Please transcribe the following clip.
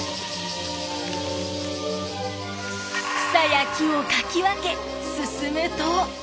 草や木をかき分け進むと。